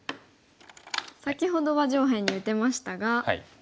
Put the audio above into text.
先ほどは上辺に打てましたが。